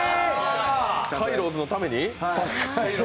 サ・カイロウズのために？